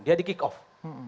dia di kick off